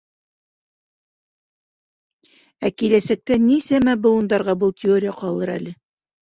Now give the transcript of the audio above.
Ә киләсәктә нисәмә быуындарға был теория ҡалыр әле.